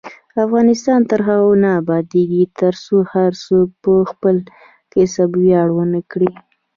افغانستان تر هغو نه ابادیږي، ترڅو هر څوک په خپل کسب ویاړ ونه کړي.